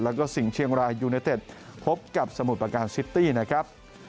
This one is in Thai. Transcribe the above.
แล้วก็สิ่งเชียงรายยูเนเต็ดพบกับสมุทรประการซิตี้นะครับ